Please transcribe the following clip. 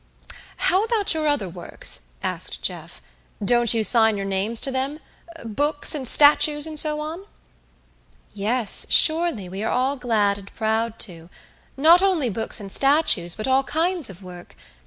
"How about your other works?" asked Jeff. "Don't you sign your names to them books and statues and so on?" "Yes, surely, we are all glad and proud to. Not only books and statues, but all kinds of work.